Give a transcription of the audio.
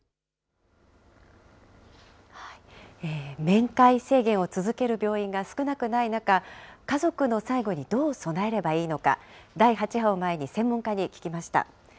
面会制限を続ける病院が少なくない中、家族の最期にどう備えればいいのか、第８波を前に、専門家に聞きました。